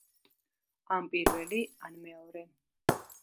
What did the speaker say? ან პირველი ან მეორე.